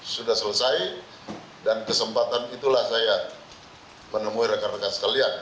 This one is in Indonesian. sudah selesai dan kesempatan itulah saya menemui rekan rekan sekalian